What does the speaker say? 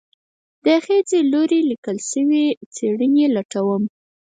د خځې لوري ليکل شوي څېړنې لټوم